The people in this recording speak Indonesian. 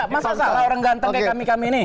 masa salah orang ganteng kayak kami kami ini